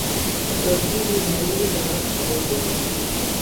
متعدی بیماری کی طرح پھیل گئی ہے